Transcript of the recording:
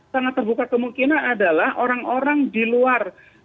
sangat terbuka kemungkinan adalah orang orang di luar